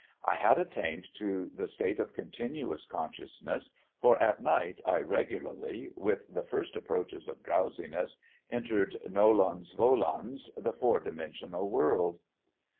I had attained to the state of continuous consciousness, for at night I regularly, with the first approaches of drowsiness, entered nolens volens the four dimensional world.